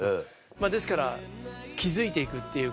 まぁですから気付いて行くっていうか